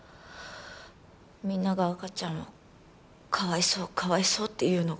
みんなが赤ちゃんをかわいそうかわいそうって言うのが。